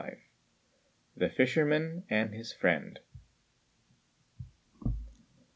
CVII. THE FISHERMAN AND HIS FRIEND.